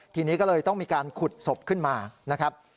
ทีนี้ก็เลยต้องมีการขุดศพขึ้นมานะครับ